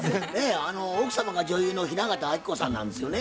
奥様が女優の雛形あきこさんなんですよね？